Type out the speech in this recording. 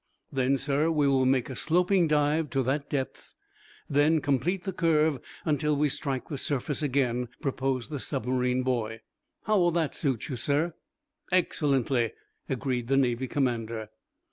"Then, sir, we will make a sloping dive to that depth, then complete the curve until we strike the surface again," proposed the submarine boy. "How will that suit you, sir?" "Excellently," agreed the Navy commander.